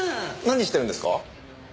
何してるんですか？